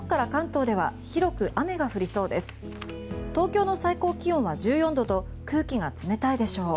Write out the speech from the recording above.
東京の最高気温は１４度と空気が冷たいでしょう。